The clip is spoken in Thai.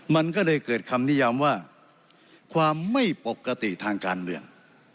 มันก็เลยเกิดคำนิยามว่าความไม่ปกติทางการเมือง